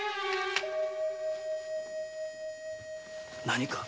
何か？